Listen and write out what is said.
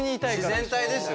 自然体ですよ。